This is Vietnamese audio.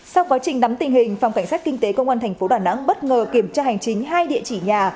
sau quá trình nắm tình hình phòng cảnh sát kinh tế công an thành phố đà nẵng bất ngờ kiểm tra hành chính hai địa chỉ nhà